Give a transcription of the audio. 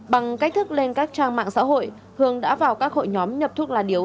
bằng cách thức lên các trang mạng xã hội hường đã vào các hội nhóm nhập thuốc lá điếu